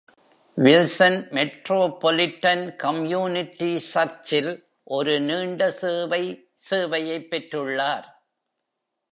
Wilson metropolitan community சர்ச்சில் ஒரு நீண்ட சேவை சேவையைப் பெற்றுள்ளார்.